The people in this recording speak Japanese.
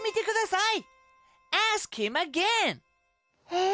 え？